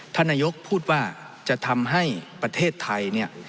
ท่านนโยคพูดว่าจะทำให้ประเทศไทย